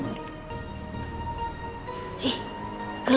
kalian gak akan nyesel